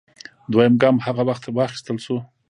دویم ګام هغه وخت واخیستل شو